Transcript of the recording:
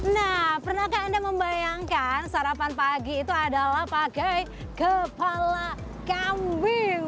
nah pernahkah anda membayangkan sarapan pagi itu adalah pakai kepala kambing